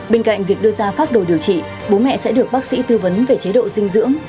bên cạnh việc đưa ra pháp đồ điều trị bố mẹ sẽ được bác sĩ tư vấn về chế độ dinh dưỡng